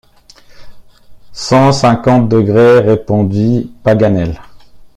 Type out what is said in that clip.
Cent cinquante degrés, répondit Paganel.